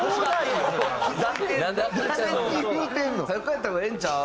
帰った方がええんちゃう？